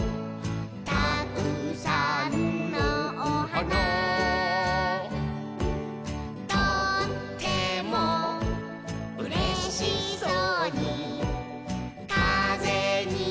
「たくさんのおはな」「とってもうれしそうにかぜにゆれている」